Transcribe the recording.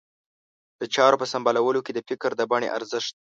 د چارو په سمبالولو کې د فکر د بڼې ارزښت.